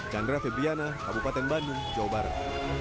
chandra febriana kabupaten bandung jawa barat